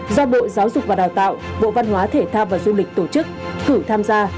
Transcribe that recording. do bộ giáo dục và đào tạo bộ văn hóa thể thao và du lịch tổ chức cử tham gia